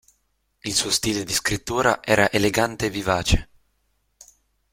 Il suo stile di scrittura era elegante e vivace.